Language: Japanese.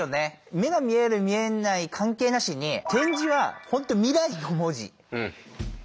目が見える見えない関係なしに点字は本当未来の文字だと思いますわ。